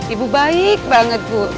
ibu baik banget bu